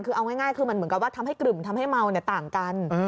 คือเอาง่ายคือมันเหมือนกับว่าทำให้กลึ่มทำให้เมาต่างกัน